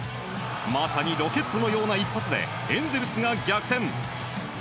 まさにロケットのような一発でエンゼルスが逆転。